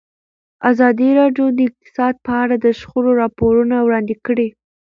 ازادي راډیو د اقتصاد په اړه د شخړو راپورونه وړاندې کړي.